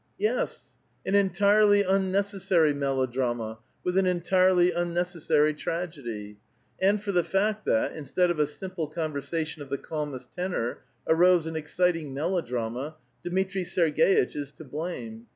" Yes; an entirely unnecessary melodrama, with an entirely unnecessary tragedy ; and for the fact that, instead of a sim ple conversation of the calmest tenor, arose an exciting melo drama, Dmitri Serg^itch is to blame.